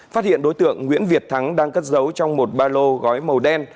phát hiện đối tượng nguyễn việt thắng đang cất giấu trong một ba lô gói màu đen